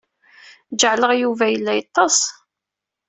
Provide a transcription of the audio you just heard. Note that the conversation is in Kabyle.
Jeɛleɣ Yuba yella yeṭṭes.